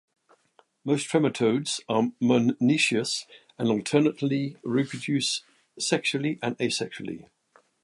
Most trematodes are monoecious and alternately reproduce sexually and asexually.